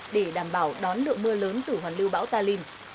để đảm bảo đón lượng mưa lớn từ hoàn lưu bão ta linh